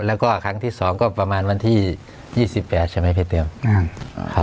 แล้วก็ครั้งที่สองก็ประมาณวันที่ยี่สิบแปดใช่ไหมพี่เตรียมอ่า